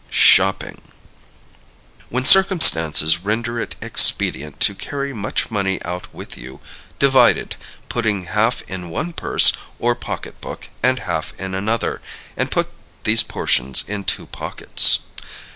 Shopping. When circumstances render it expedient to carry much money out with you, divide it; putting half in one purse or pocketbook and half in another, and put these portions in two pockets.